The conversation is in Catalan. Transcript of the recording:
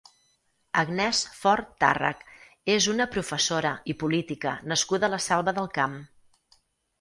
Agnès Fort Tàrrech és una professora i política nascuda a la Selva del Camp.